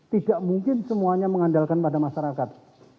tidak mungkin semuanya mengandalkan pada masyarakat